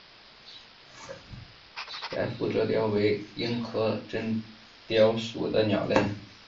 白腹隼雕为鹰科真雕属的鸟类。